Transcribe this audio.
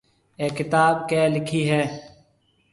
اَي ڪتاب ڪيَ لکِي هيَ۔